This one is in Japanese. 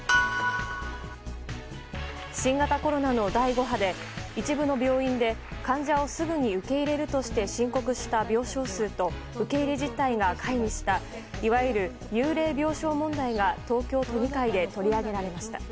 新型コロナの第５波で一部の病院で患者をすぐに受け入れるとして申告した病床数と受け入れ実態が解離したいわゆる幽霊病床問題が東京都議会絵取り上げられました。